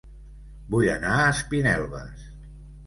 Vull anar a Espinelves